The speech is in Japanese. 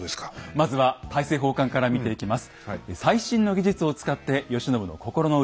まずは大政奉還から見ていきます。